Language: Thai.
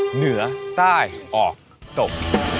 เหนือใต้ออกตก